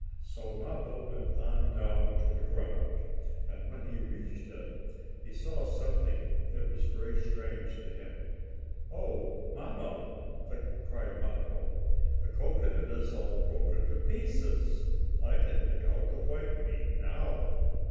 So Mappo went on down to the ground. And, when he reached it, he saw something that was very strange to him. "Oh, Mamma!" cried Mappo. "The cocoanut is all broken to pieces. I can pick out the white meat now.